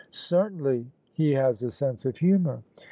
" Certainly ; he has a sense of humour."